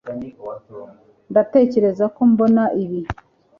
Ndatekereza ko mbona ibi